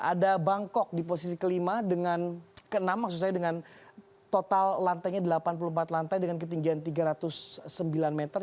ada bangkok di posisi kelima dengan ke enam maksud saya dengan total lantainya delapan puluh empat lantai dengan ketinggian tiga ratus sembilan meter